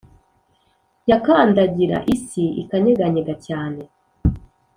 Yakandagira isi ikanyeganyega cyane